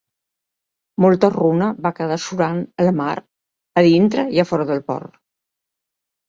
Molta runa va quedar surant al mar, a dintre i fora del port.